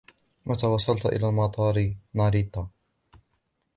متى وصلت إلى مطار ناريتا ؟